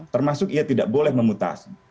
termasuk ia tidak boleh memutasi